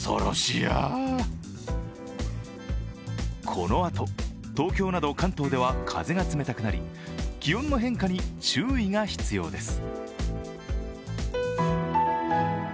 このあと、東京など関東では風が冷たくなり気温の変化に注意が必要です。